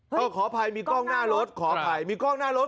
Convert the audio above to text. ขออภัยมีกล้องหน้ารถขออภัยมีกล้องหน้ารถ